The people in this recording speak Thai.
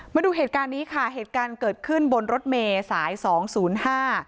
มาดูเหตุการณ์นี้ค่ะเหตุการณ์เกิดขึ้นบนรถเมย์สายสองศูนย์ห้า